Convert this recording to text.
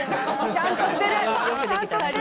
ちゃんとしてる。